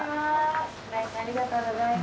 ご来店ありがとうございます。